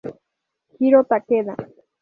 Jiro Takeda